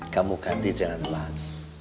kamu ganti dengan lans